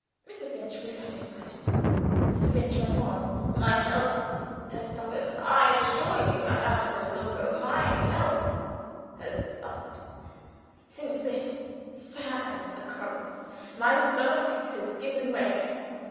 Mr. Finch was satisfied; Mr. Finch went on. "My health has suffered I assure you, Madame Pratolungo, MY health has suffered. Since this sad occurrence, my stomach has given way.